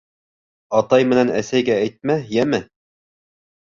Атай менән әсәйгә әйтмә, йәме.